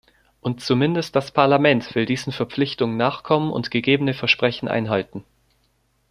Und zumindest das Parlament will diesen Verpflichtungen nachkommen und gegebene Versprechen einhalten.